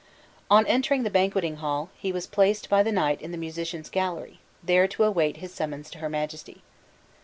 On entering the banqueting hall, he was placed by the knight in the musicians' gallery, there to await his summons to her majesty.